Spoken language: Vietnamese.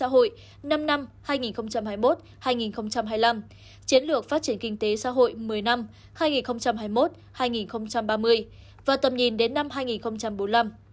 hội năm năm hai nghìn hai mươi một hai nghìn hai mươi năm chiến lược phát triển kinh tế xã hội một mươi năm hai nghìn hai mươi một hai nghìn ba mươi và tầm nhìn đến năm hai nghìn bốn mươi năm